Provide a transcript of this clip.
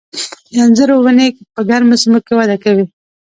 د انځرو ونې په ګرمو سیمو کې وده کوي.